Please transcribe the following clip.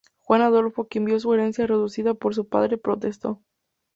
Juan Adolfo, quien vio su herencia reducida por su padre, protestó.